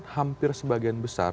hampir sebagian besar